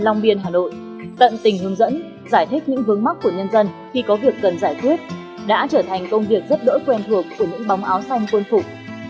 long biên hà nội tận tình hướng dẫn giải thích những vướng mắt của nhân dân khi có việc cần giải quyết đã trở thành công việc rất đỗi quen thuộc của những bóng áo xanh quân phục